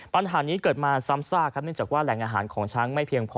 ปัญหานี้เกิดมาซ้ำซากครับเนื่องจากว่าแหล่งอาหารของช้างไม่เพียงพอ